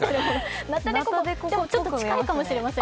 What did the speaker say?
ちょっと近いかもしれません。